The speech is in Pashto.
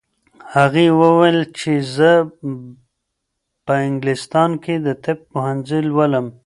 هغې وویل چې زه په انګلستان کې د طب پوهنځی لولم.